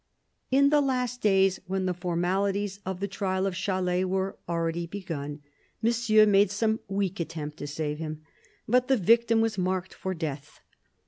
In the last days, when the formalities of the trial of Chalais were already begun. Monsieur made some weak attempt to save him ; but the victim was marked for death.